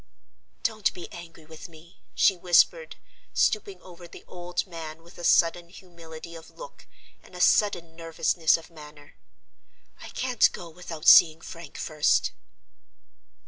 "Don't be angry with me," she whispered, stooping over the old man with a sudden humility of look, and a sudden nervousness of manner. "I can't go without seeing Frank first!"